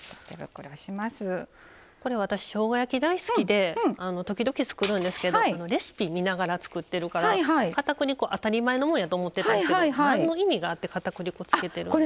私、しょうが焼き大好きで時々、作るんですけどレシピ見ながら作ってるからかたくり粉、当たり前のもんやと思ってたけどなんの意味があって、かたくり粉つけてるんですか？